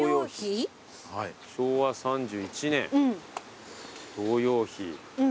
昭和３１年童謡碑。